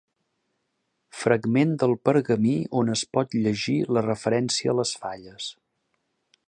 Fragment del pergamí on es pot llegir la referència a les falles.